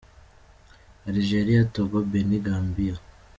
Algeria, Togo, Benin, Gambia